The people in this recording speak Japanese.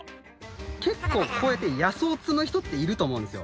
結構こうやって野草を摘む人っていると思うんですよ。